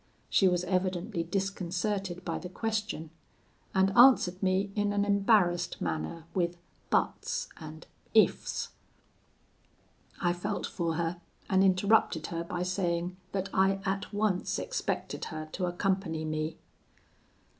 She was evidently disconcerted by the question, and answered me in an embarrassed manner with BUTS and IFS. "I felt for her, and interrupted her by saying that I at once expected her to accompany me.